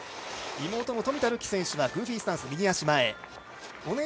妹の冨田るき選手はグーフィースタンス、右足前。